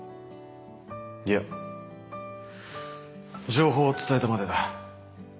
いや情報を伝えたまでだ。